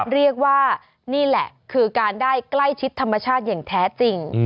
เรียกว่านี่แหละคือการได้ใกล้ชิดธรรมชาติอย่างแท้จริง